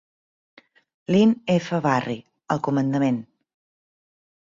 Lynn F. Barry, al comandament.